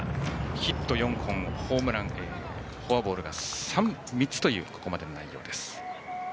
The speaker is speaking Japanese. ヒット４本、ホームランフォアボールが３つというここまでの内容です。